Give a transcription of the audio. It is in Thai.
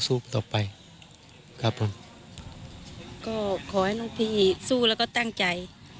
ต่อไปครับผมก็ขอให้น้องพี่สู้แล้วก็ตั้งใจ